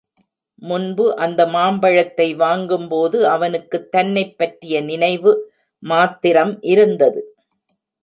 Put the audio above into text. முன்பு அந்த மாம்பழத்தை வாங்கும்போது அவனுக்குத் தன்னைப் பற்றிய நினைவு மாத்திரம் இருந்தது.